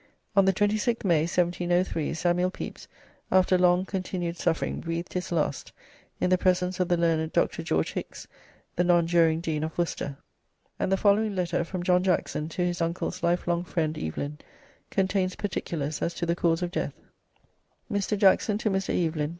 On the 26th May, 1703, Samuel Pepys, after long continued suffering, breathed his last in the presence of the learned Dr. George Hickes, the nonjuring Dean of Worcester, and the following letter from John Jackson to his uncle's lifelong friend Evelyn contains particulars as to the cause of death: Mr. Jackson to Mr. Evelyn.